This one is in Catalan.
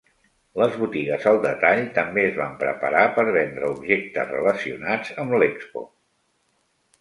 Les botigues al detall també es van preparar per vendre objectes relacionats amb l'Expo.